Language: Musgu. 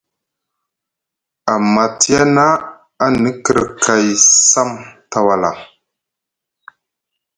Amma tiyana ani kirkay sam tawala.